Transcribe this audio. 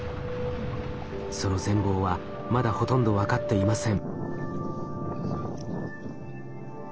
その全貌はまだほとんど分かっていません。